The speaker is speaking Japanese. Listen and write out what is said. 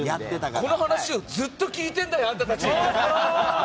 この話をずっと聞いているんだよ、あなたたち！